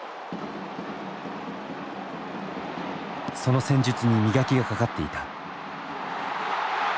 その戦術に磨きがかかっていた。